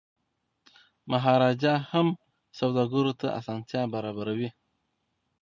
مهاراجا هم سوداګرو ته اسانتیاوي برابروي.